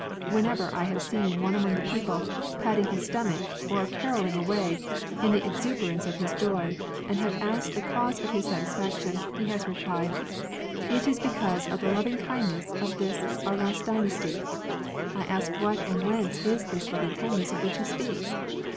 Whenever I have seen one among the people patting his stomach or carolling away in the exuberance of his joy, and have asked the cause of his satisfaction, he has replied, ' It is because of the loving kindness of this our dynasty.' I ask what and whence is this loving kindness of which he speaks